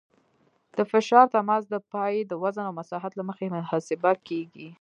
د فشار تماس د پایې د وزن او مساحت له مخې محاسبه کیږي